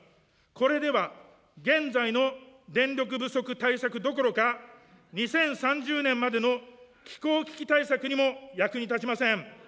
これでは現在の電力不足対策どころか２０３０年までの気候危機対策にも役に立ちません。